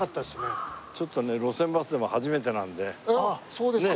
そうですか。